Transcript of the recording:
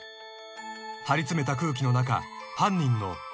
［張り詰めた空気の中犯人の］